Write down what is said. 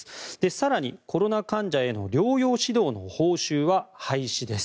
更に、コロナ患者への療養指導の報酬は廃止です。